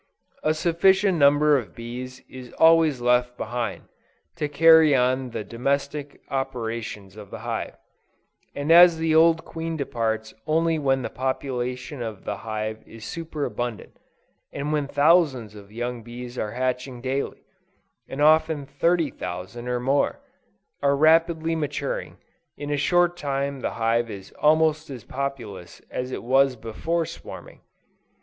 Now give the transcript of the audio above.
A sufficient number of bees is always left behind, to carry on the domestic operations of the hive, and as the old queen departs only when the population of the hive is super abundant; and when thousands of young bees are hatching daily, and often 30,000 or more, are rapidly maturing, in a short time the hive is almost as populous as it was before swarming.